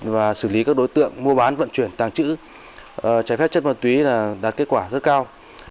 và xử lý các đối tượng mua bán vận chuyển tàng trữ trái phép chất ma túy là đạt kết quả rất cao